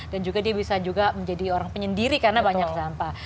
dan dia juga bisa menjadi orang penyendiri karena banyak sampah